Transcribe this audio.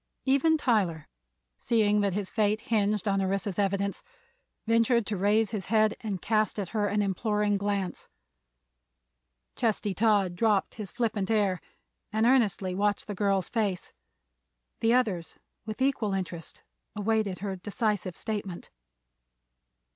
Even Tyler, seeing that his fate hinged on Orissa's evidence, ventured to raise his head and cast at her an imploring glance. Chesty Todd dropped his flippant air and earnestly watched the girl's face; the others with equal interest awaited her decisive statement.